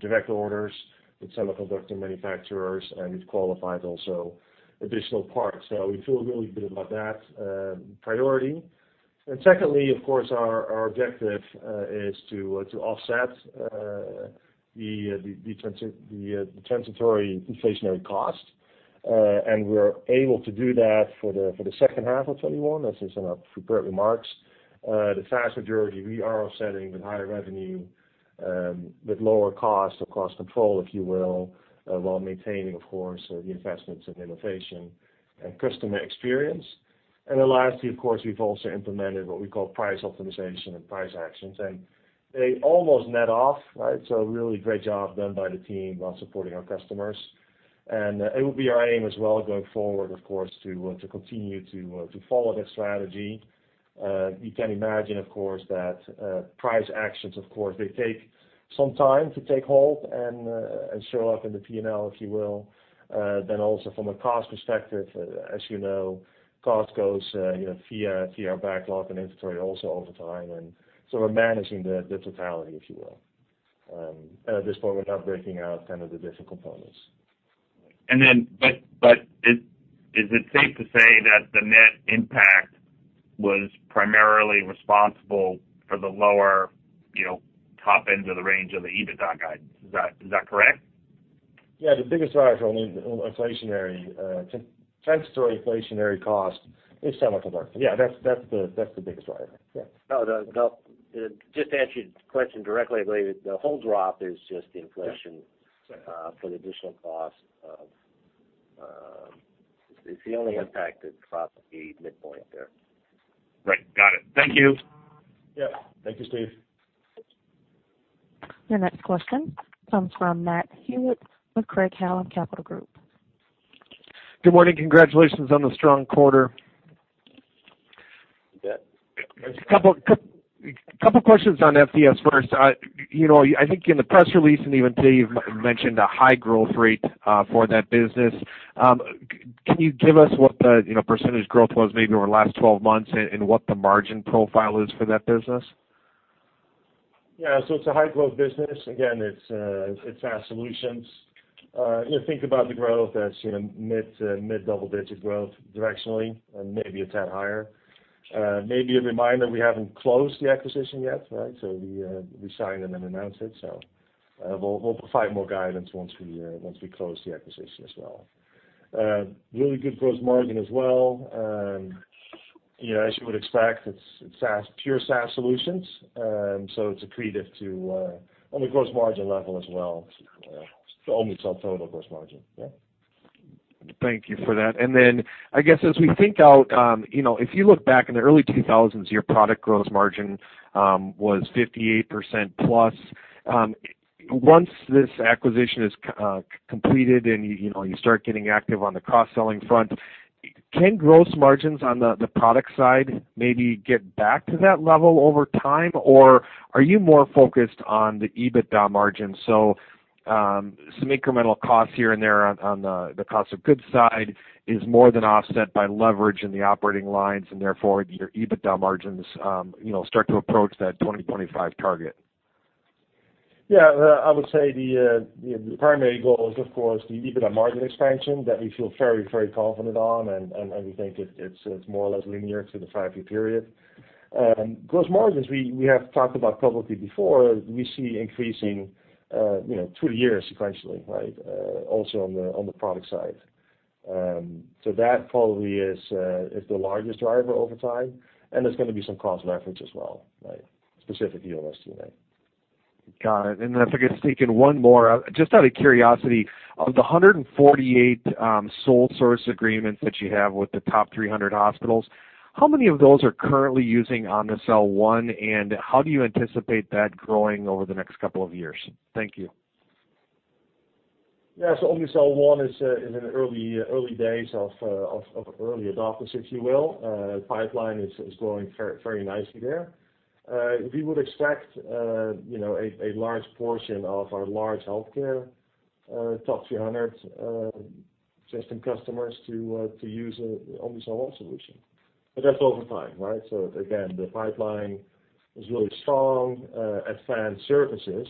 direct orders with semiconductor manufacturers, and we've qualified also additional parts. We feel really good about that priority. Secondly, of course, our objective is to offset the transitory inflationary cost. We're able to do that for the second half of 2021, as is in our prepared remarks. The vast majority we are offsetting with higher revenue, with lower cost or cost control, if you will, while maintaining, of course, the investments in innovation and customer experience. Lastly, of course, we've also implemented what we call price optimization and price actions. They almost net off. A really great job done by the team while supporting our customers. It will be our aim as well going forward, of course, to continue to follow that strategy. You can imagine, of course, that price actions, they take some time to take hold and show up in the P&L, if you will. Also from a cost perspective, as you know, cost goes via backlog and inventory also over time. We're managing the totality, if you will. At this point, we're not breaking out kind of the different components. Is it safe to say that the net impact was primarily responsible for the lower top end of the range of the EBITDA guide? Is that correct? Yeah. The biggest driver on the transitory inflationary cost is semiconductor. Yeah, that's the biggest driver. Yeah. No. Just to answer your question directly, the whole drop is just inflation. Yeah. It's the only impact across the midpoint there. Right. Got it. Thank you. Yeah. Thank you, Steven. Your next question comes from Matt Hewitt with Craig-Hallum Capital Group. Good morning. Congratulations on the strong quarter. You bet. Couple of questions on FDS first. I think in the press release, and even today, you've mentioned a high growth rate for that business. Can you give us what the percentage growth was maybe over the last 12 months and what the margin profile is for that business? Yeah. It's a high growth business. Again, it's SaaS solutions. If you think about the growth, that's mid double-digit growth directionally, and maybe a tad higher. Maybe a reminder, we haven't closed the acquisition yet, right? We signed and then announced it, so we'll provide more guidance once we close the acquisition as well. Really good gross margin as well. As you would expect, it's pure SaaS solutions, so it's accretive on the gross margin level as well, to Omnicell total gross margin. Yeah. Thank you for that. I guess as we think out, if you look back in the early 2000s, your product gross margin was 58%+. Once this acquisition is completed and you start getting active on the cross-selling front, can gross margins on the product side maybe get back to that level over time? Or are you more focused on the EBITDA margin, so some incremental costs here and there on the cost of goods side is more than offset by leverage in the operating lines, and therefore, your EBITDA margins start to approach that 2025 target? I would say the primary goal is, of course, the EBITDA margin expansion that we feel very confident on, and we think it's more or less linear through the five-year period. Gross margins, we have talked about publicly before, we see increasing through the years sequentially, right? Also on the product side. That probably is the largest driver over time, and there's going to be some cost leverage as well, right? Specifically on SG&A. Got it. If I could sneak in one more. Just out of curiosity, of the 148 sole source agreements that you have with the top 300 hospitals, how many of those are currently using Omnicell One, and how do you anticipate that growing over the next couple of years? Thank you. Yeah. Omnicell One is in early days of early adopters, if you will. Pipeline is growing very nicely there. We would expect a large portion of our large healthcare top 300 system customers to use the Omnicell solution. That's over time, right? Again, the pipeline is really strong. Advanced services,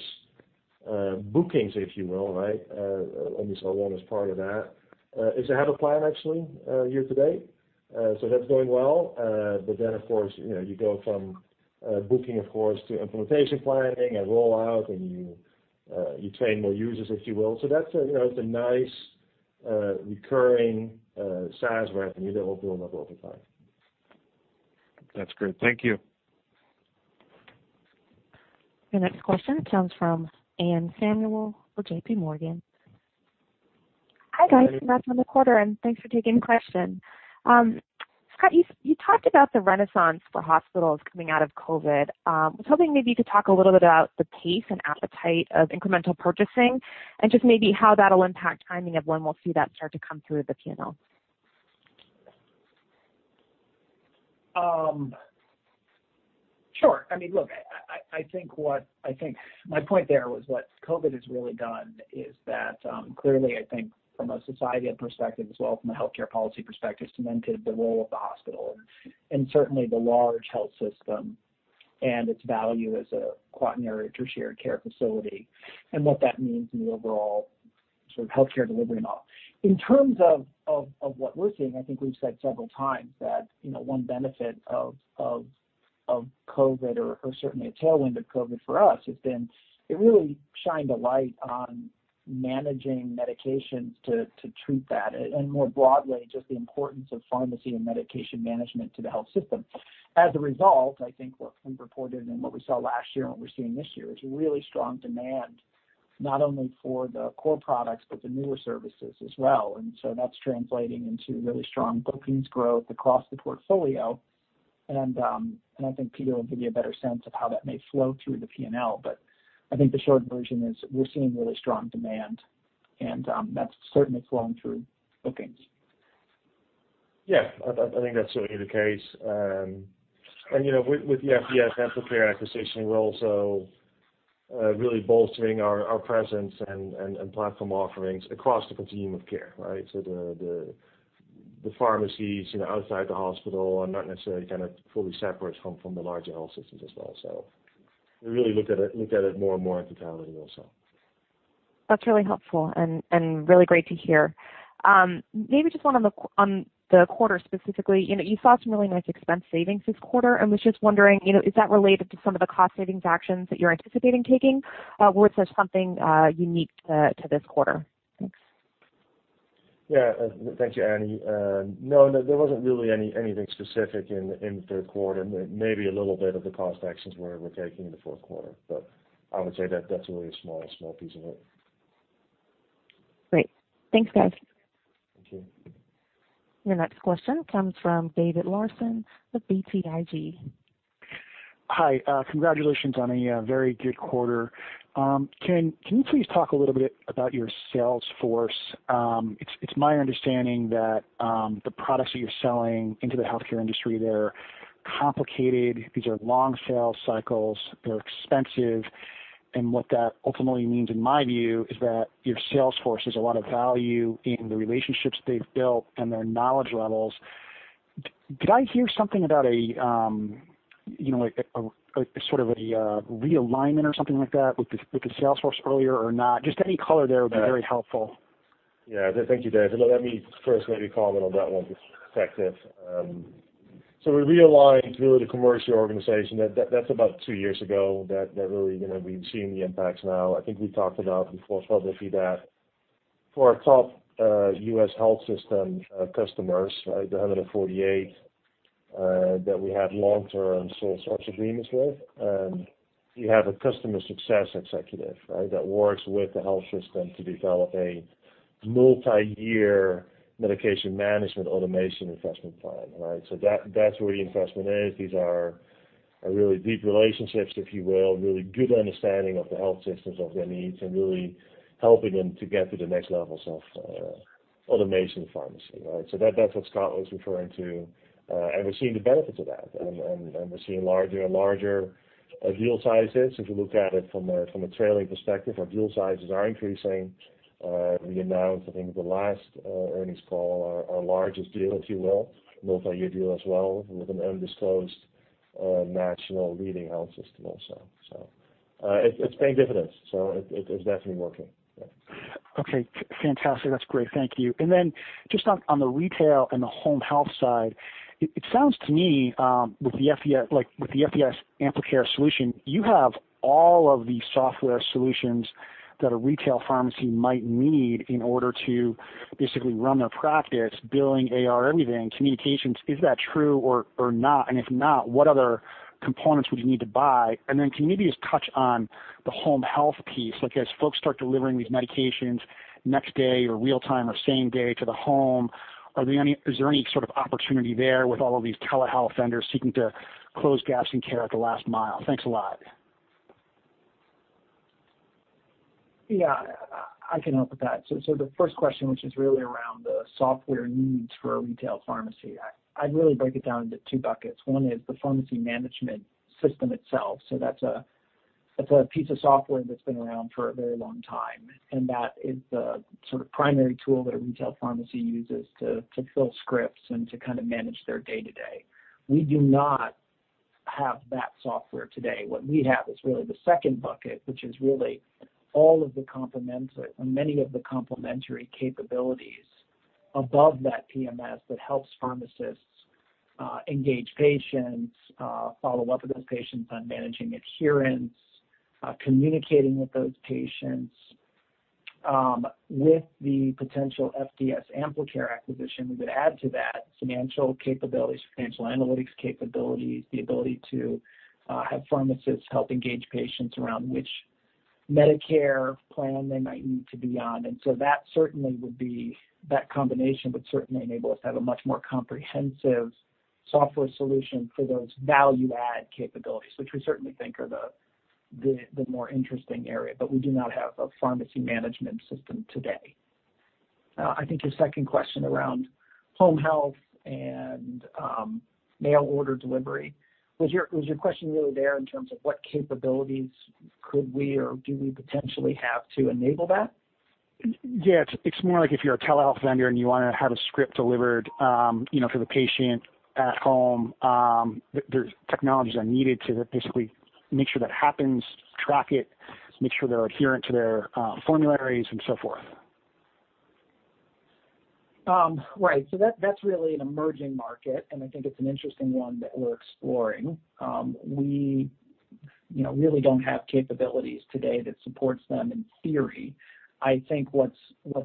bookings, if you will, right? Omnicell One is part of that, is ahead of plan actually, year to date. That's going well. Of course, you go from booking, of course, to implementation planning and rollout, and you train more users, if you will. That's a nice recurring SaaS revenue that will build up over time. That's great. Thank you. Your next question comes from Anne Samuel with JPMorgan. Hi, guys. Hi. Congrats on the quarter, and thanks for taking the question. Scott, you talked about the renaissance for hospitals coming out of COVID. I was hoping maybe you could talk a little bit about the pace and appetite of incremental purchasing and just maybe how that'll impact timing of when we'll see that start to come through the P&L? Sure. I mean, look, I think my point there was what COVID has really done is that clearly, I think from a society perspective as well from a healthcare policy perspective, cemented the role of the hospital and certainly the large health system and its value as a quaternary, tertiary care facility and what that means in the overall sort of healthcare delivery model. In terms of what we're seeing, I think we've said several times that one benefit of COVID or certainly a tailwind of COVID for us has been it really shined a light on managing medications to treat that, and more broadly, just the importance of pharmacy and medication management to the health system. As a result, I think what we've reported and what we saw last year and what we're seeing this year is really strong demand, not only for the core products, but the newer services as well. That's translating into really strong bookings growth across the portfolio. I think Peter will give you a better sense of how that may flow through the P&L. I think the short version is we're seeing really strong demand, and that's certainly flowing through bookings. Yeah. I think that's certainly the case. With the FDS and the CareScheduler acquisition, we're also really bolstering our presence and platform offerings across the continuum of care, right? The pharmacies outside the hospital are not necessarily kind of fully separate from the larger health systems as well. We really look at it more and more in totality also. That's really helpful and really great to hear. Maybe just one on the quarter specifically. You saw some really nice expense savings this quarter. I was just wondering, is that related to some of the cost savings actions that you're anticipating taking, or was this something unique to this quarter? Thanks. Yeah. Thank you, Annie. No, there wasn't really anything specific in the third quarter. Maybe a little bit of the cost actions we're taking in the fourth quarter, but I would say that that's really a small piece of it. Great. Thanks, guys. Thank you. Your next question comes from David Larsen with BTIG. Hi. Congratulations on a very good quarter. Can you please talk a little bit about your Salesforce? It's my understanding that the products that you're selling into the healthcare industry are complicated. These are long sales cycles. They're expensive, what that ultimately means, in my view, is that your Salesforce, there's a lot of value in the relationships they've built and their knowledge levels. Did I hear something about a sort of a realignment or something like that with the Salesforce earlier or not? Just any color there would be very helpful. Yeah. Thank you, David. Let me first maybe comment on that one perspective. We realigned, really, the commercial organization. That's about two years ago, that really we've seen the impacts now. I think we talked about before publicly that for our top U.S. health system customers, the 148 that we have long-term source agreements with, you have a customer success executive that works with the health system to develop a multi-year medication management automation investment plan. That's where the investment is. These are really deep relationships, if you will, really good understanding of the health systems, of their needs, and really helping them to get to the next levels of Autonomous Pharmacy. That's what Scott was referring to, and we're seeing the benefits of that, and we're seeing larger and larger deal sizes. If you look at it from a trailing perspective, our deal sizes are increasing. We announced, I think, the last earnings call, our largest deal, if you will, multi-year deal as well, with an undisclosed national leading health system also. It's paying dividends. It's definitely working. Yeah. Okay. Fantastic. That's great. Thank you. Then just on the retail and the home health side, it sounds to me, with the FDS Amplicare solution, you have all of the software solutions that a retail pharmacy might need in order to basically run their practice, billing, AR, everything, communications. Is that true or not? If not, what other components would you need to buy? Then can you maybe just touch on the home health piece, like as folks start delivering these medications next day or real time or same day to the home, is there any sort of opportunity there with all of these telehealth vendors seeking to close gaps in care at the last mile? Thanks a lot. Yeah. I can help with that. The first question, which is really around the software needs for a retail pharmacy, I'd really break it down into two buckets. One is the pharmacy management system itself. That's a piece of software that's been around for a very long time, and that is the primary tool that a retail pharmacy uses to fill scripts and to manage their day-to-day. We do not have that software today. What we have is really the second bucket, which is really many of the complementary capabilities above that PMS that helps pharmacists engage patients, follow up with those patients on managing adherence, communicating with those patients. With the potential FDS Amplicare acquisition, we would add to that financial capabilities, financial analytics capabilities, the ability to have pharmacists help engage patients around which Medicare plan they might need to be on. That combination would certainly enable us to have a much more comprehensive software solution for those value-add capabilities, which we certainly think are the more interesting area. We do not have a pharmacy management system today. I think your second question around home health and mail order delivery, was your question really there in terms of what capabilities could we or do we potentially have to enable that? Yeah, it's more like if you're a telehealth vendor and you want to have a script delivered for the patient at home, there's technologies that are needed to basically make sure that happens, track it, make sure they're adherent to their formularies, and so forth. Right. That's really an emerging market, and I think it's an interesting one that we're exploring. We really don't have capabilities today that supports them in theory. I think what's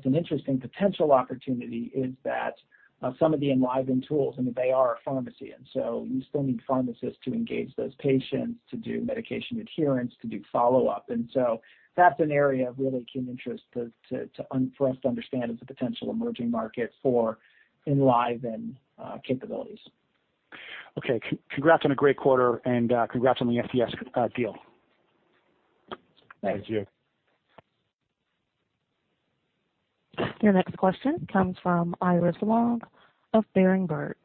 an interesting potential opportunity is that some of the Enliven tools, I mean, they are a pharmacy, and so you still need pharmacists to engage those patients, to do medication adherence, to do follow-up. That's an area of really keen interest for us to understand as a potential emerging market for Enliven capabilities. Okay. Congrats on a great quarter. Congrats on the FDS deal. Thanks. Thank you. Your next question comes from Iris Yang of Barrington. Hello, Iris.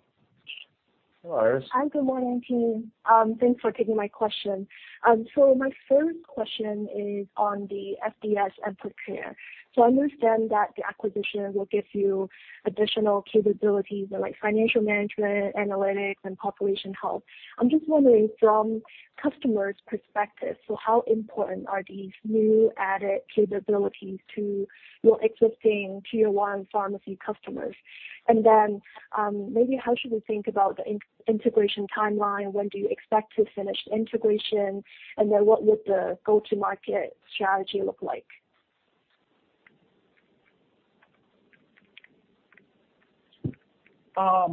Hi, good morning, team. Thanks for taking my question. My first question is on the FDS Amplicare. I understand that the acquisition will give you additional capabilities like financial management, analytics, and population health. I'm just wondering from customers' perspective, so how important are these new added capabilities to your existing Tier 1 pharmacy customers? Maybe how should we think about the integration timeline? When do you expect to finish the integration? What would the go-to-market strategy look like? As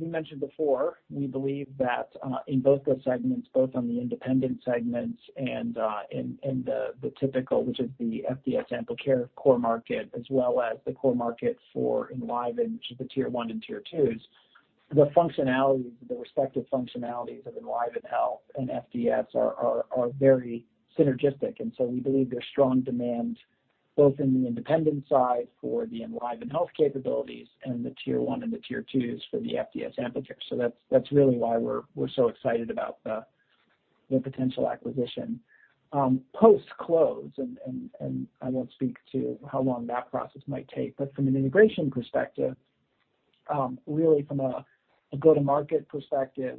we mentioned before, we believe that in both those segments, both on the independent segments and the typical, which is the FDS Amplicare core market, as well as the core market for EnlivenHealth, which is the Tier 1 and Tier 2s, the respective functionalities of EnlivenHealth and FDS are very synergistic. We believe there's strong demand both in the independent side for the EnlivenHealth capabilities and the Tier 1 and the Tier 2s for the FDS Amplicare. That's really why we're so excited about the potential acquisition. Post-close, and I won't speak to how long that process might take, but from an integration perspective, really from a go-to-market perspective,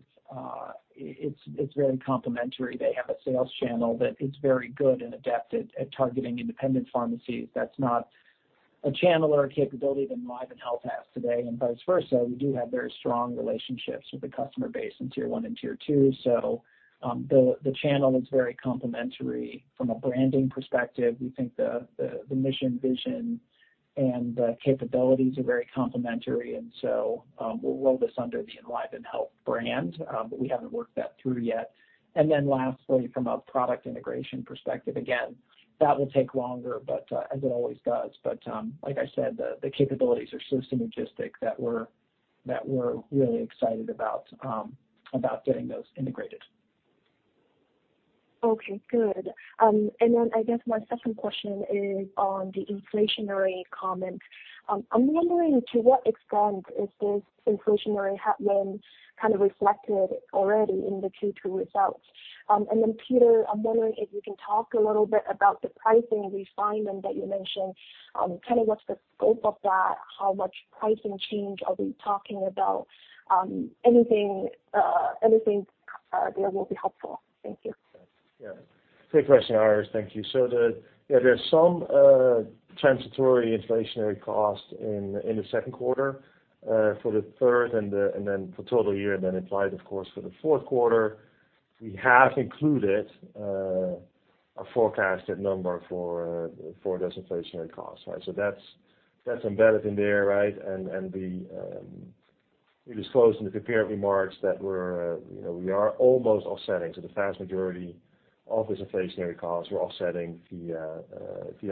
it's very complementary. They have a sales channel that is very good and adapted at targeting independent pharmacies. That's not a channel or a capability that EnlivenHealth has today, and vice versa, we do have very strong relationships with the customer base in Tier 1 and Tier 2. The channel is very complementary from a branding perspective. We think the mission, vision, and the capabilities are very complementary. We'll roll this under the EnlivenHealth brand, but we haven't worked that through yet. Lastly, from a product integration perspective, again, that will take longer, as it always does. Like I said, the capabilities are so synergistic that we're really excited about getting those integrated. Okay, good. I guess my second question is on the inflationary comment. I'm wondering to what extent is this inflationary has been kind of reflected already in the Q2 results? Peter, I'm wondering if you can talk a little bit about the pricing refinement that you mentioned. Kind of what's the scope of that, how much pricing change are we talking about? Anything there will be helpful. Thank you. Yeah. Great question, Iris. Thank you. There's some transitory inflationary cost in the second quarter, for the third and then for total year, and then implied, of course, for the fourth quarter. We have included a forecasted number for those inflationary costs. That's embedded in there. We disclosed in the prepared remarks that we are almost offsetting. The vast majority of those inflationary costs, we're offsetting the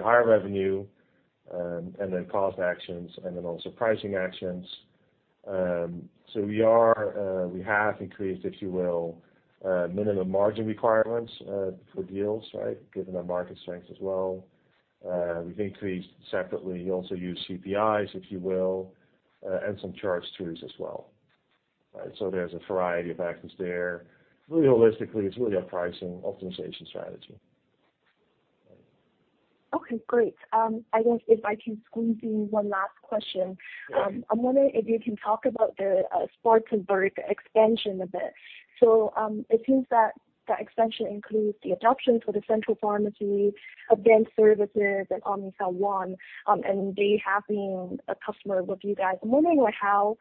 higher revenue, and then cost actions and then also pricing actions. We have increased, if you will, minimum margin requirements, for deals, given our market strength as well. We've increased separately, also use CPIs, if you will, and some charge throughs as well. There's a variety of actions there. Really holistically, it's really a pricing optimization strategy. Okay, great. I think if I can squeeze in one last question. Sure. I'm wondering if you can talk about the Spartanburg expansion a bit. It seems that that expansion includes the adoption for the central pharmacy, again, services and Omnicell One, and they have been a customer with you guys. I'm wondering how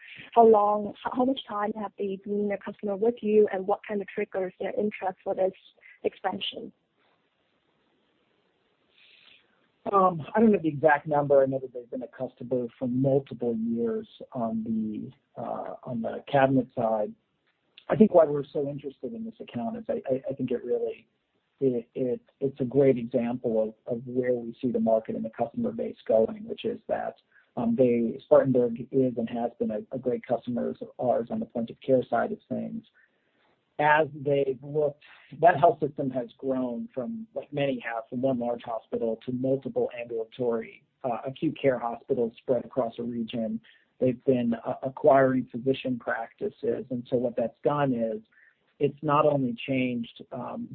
much time have they been a customer with you, and what kind of triggers their interest for this expansion? I don't know the exact number. I know that they've been a customer for multiple years on the cabinet side. Why we're so interested in this account is I think it's a great example of where we see the market and the customer base going, which is that Spartanburg is and has been a great customer of ours on the point-of-care side of things. That health system has grown from, like many have, from one large hospital to multiple ambulatory acute care hospitals spread across a region. They've been acquiring physician practices. What that's done is it's not only changed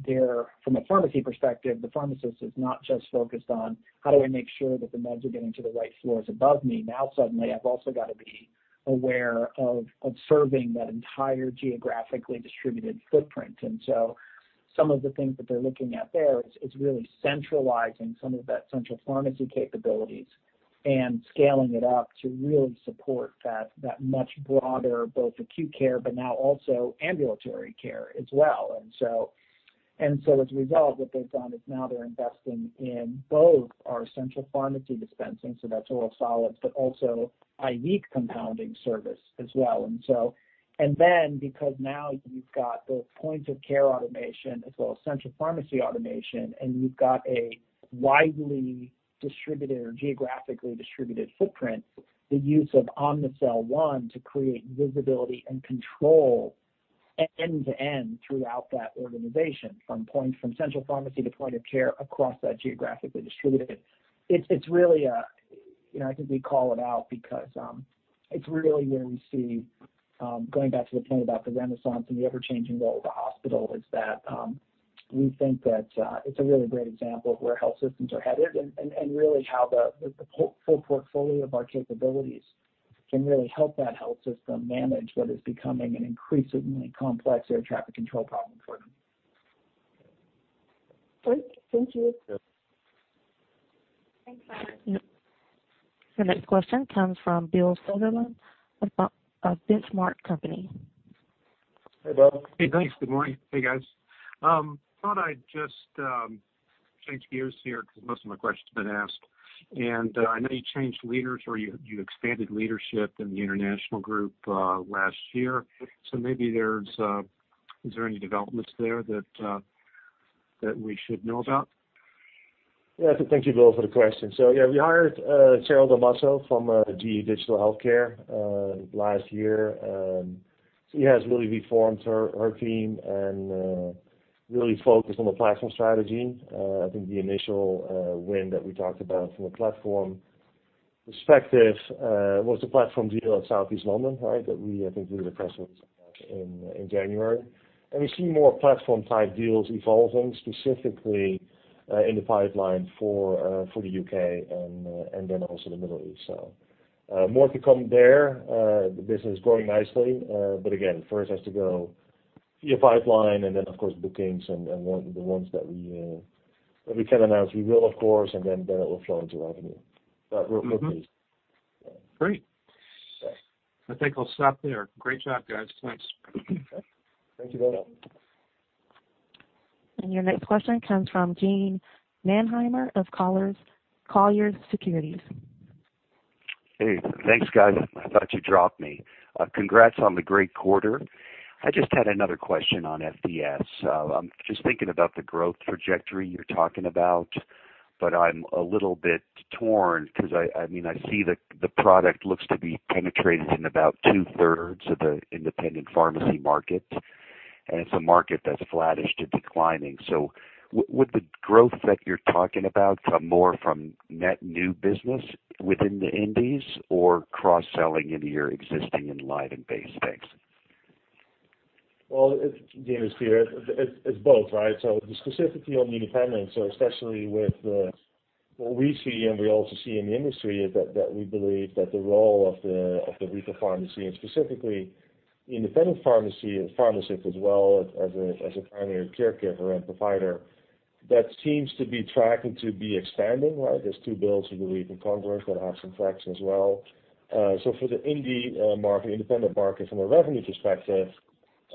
their, from a pharmacy perspective, the pharmacist is not just focused on how do I make sure that the meds are getting to the right floors above me. Now suddenly, I've also got to be aware of serving that entire geographically distributed footprint. Some of the things that they're looking at there is really centralizing some of that central pharmacy capabilities and scaling it up to really support that much broader, both acute care, but now also ambulatory care as well. As a result, what they've done is now they're investing in both our central pharmacy dispensing, so that's oral solids, but also IVX compounding service as well. Because now you've got both points of care automation as well as central pharmacy automation, and you've got a widely distributed or geographically distributed footprint, the use of Omnicell One to create visibility and control end-to-end throughout that organization, from central pharmacy to point of care across that geographically distributed. I think we call it out because it's really where we see, going back to the point about the renaissance and the ever-changing role of the hospital, is that we think that it's a really great example of where health systems are headed and really how the full portfolio of our capabilities can really help that health system manage what is becoming an increasingly complex air traffic control problem for them. Great. Thank you. Yeah. Thanks, Iris. Your next question comes from Bill Sutherland of The Benchmark Company. Hey, Bill. Hey, thanks. Good morning. Hey, guys. Thought I'd just change gears here because most of my question's been asked. I know you changed leaders or you expanded leadership in the international group last year. Is there any developments there that we should know about? Thank you, Bill, for the question. We hired Cheryl Dalmasso from GE Digital Healthcare last year. She has really reformed her team and really focused on the platform strategy. I think the initial win that we talked about from a platform perspective was the platform deal at Southeast London, that we, I think, did a press release on that in January. We see more platform-type deals evolving, specifically in the pipeline for the U.K. and then also the Middle East. More to come there. The business is growing nicely. Again, first it has to go via pipeline and then, of course, bookings and the ones that we can announce, we will, of course, and then that will flow into revenue. We're looking. Mm-hmm. Great. Yes. I think I'll stop there. Great job, guys. Thanks. Thank you very much. Your next question comes from Eugene Mannheimer of Colliers Securities. Hey, thanks, guys. I thought you dropped me. Congrats on the great quarter. I just had another question on FDS. I'm just thinking about the growth trajectory you're talking about, but I'm a little bit torn because I see the product looks to be penetrated in about 2/3 of the independent pharmacy market, and it's a market that's flattish to declining. Would the growth that you're talking about come more from net new business within the indies or cross-selling into your existing EnlivenHealth base? Thanks. Eugene, it's both, right? The specificity on the independents, especially with what we see and we also see in the industry, is that we believe that the role of the retail pharmacy and specifically the independent pharmacy and pharmacists as well as a primary caregiver and provider, that seems to be tracking to be expanding. There's two bills we believe in Congress that have some traction as well. For the indie market, independent market, from a revenue perspective,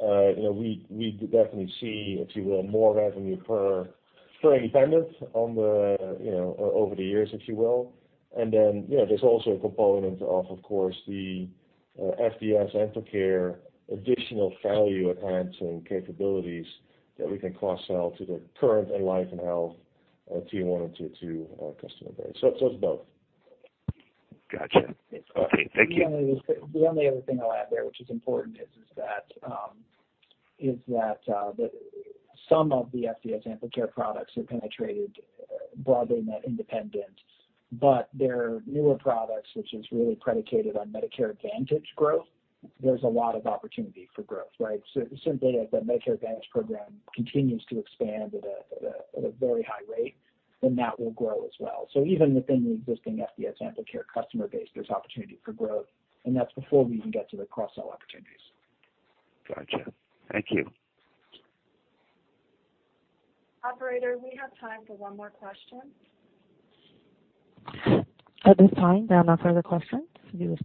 we definitely see, if you will, more revenue per independent over the years. There's also a component of course, the FDS Amplicare additional value-adding capabilities that we can cross-sell to the current EnlivenHealth Tier 1 and Tier 2 customer base. It's both. Got you. Okay. Thank you. The only other thing I'll add there, which is important, is that some of the FDS Amplicare products are penetrated broadly in that independent, but their newer products, which is really predicated on Medicare Advantage growth, there's a lot of opportunity for growth, right? Simply as the Medicare Advantage program continues to expand at a very high rate, then that will grow as well. Even within the existing FDS Amplicare customer base, there's opportunity for growth, and that's before we even get to the cross-sell opportunities. Got you. Thank you. Operator, we have time for one more question. At this time, there are no further questions. Okay.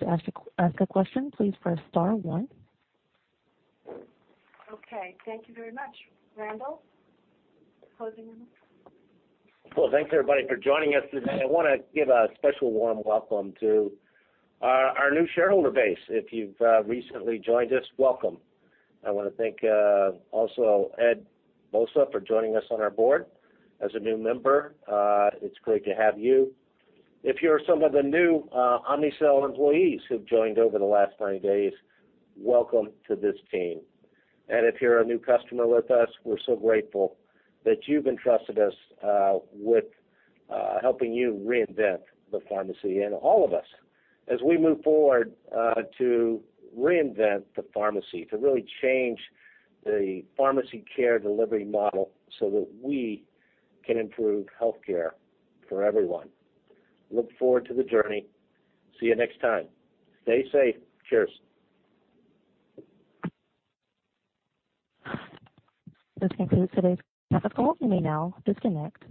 Thank you very much. Randall, closing remarks? Well, thanks everybody for joining us today. I want to give a special warm welcome to our new shareholder base. If you've recently joined us, welcome. I want to thank also Edward Bousa for joining us on our board as a new member. It's great to have you. If you're some of the new Omnicell employees who've joined over the last 90 days, welcome to this team. If you're a new customer with us, we're so grateful that you've entrusted us with helping you reinvent the pharmacy, and all of us as we move forward to reinvent the pharmacy, to really change the pharmacy care delivery model so that we can improve healthcare for everyone. Look forward to the journey. See you next time. Stay safe. Cheers. This concludes today's conference call. You may now disconnect.